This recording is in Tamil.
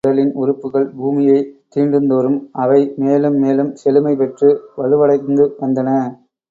அவனுடைய உடலின் உறுப்புகள் பூமியைத் தீண்டுந்தோறும், அவை மேலும் மேலும் செழுமை பெற்று, வலுவடைந்துவந்தன.